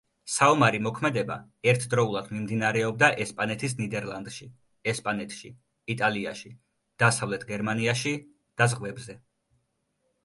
საომარი მოქმედება ერთდროულად მიმდინარეობდა ესპანეთის ნიდერლანდში, ესპანეთში, იტალიაში, დასავლეთ გერმანიაში და ზღვებზე.